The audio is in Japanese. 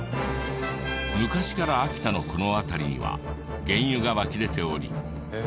昔から秋田のこの辺りには原油が湧き出ており。